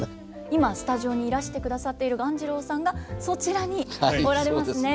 今スタジオにいらしてくださっている鴈治郎さんがそちらにおられますね。